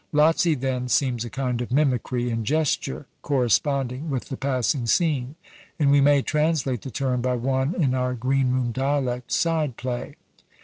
Lazzi, then, seems a kind of mimicry and gesture, corresponding with the passing scene; and we may translate the term by one in our green room dialect, side play.